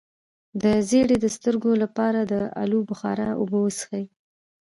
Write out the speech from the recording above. د زیړي د سترګو لپاره د الو بخارا اوبه وڅښئ